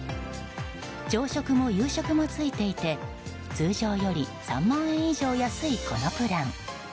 朝食も夕食もついていて通常より３万円以上安いこのプラン。